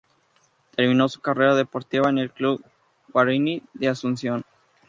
Terminó su carrera deportiva en el Club Guaraní de Asunción.